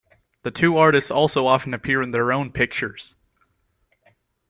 The two artists also often appear in their own "pictures".